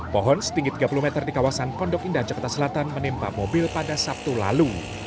pohon setinggi tiga puluh meter di kawasan pondok indah jakarta selatan menimpa mobil pada sabtu lalu